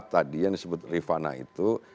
tadi yang disebut rifana itu